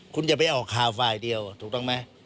คุณอย่าไปออกข่าวฝ่ายเดียวถูกต้องไหม